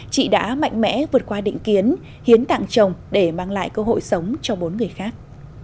chị đã mạnh mẽ vượt qua định kiến hiến tặng chồng để mang lại cơ hội sống cho bốn người khác